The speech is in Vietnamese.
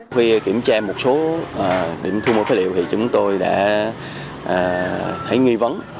vì kiểm tra một số điểm thu mối phế liệu thì chúng tôi đã thấy nghi vấn